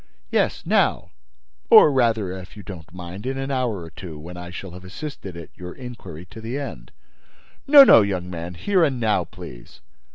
"Yes, now—or rather, if you do not mind, in an hour or two, when I shall have assisted at your inquiry to the end." "No, no, young man, here and now, please."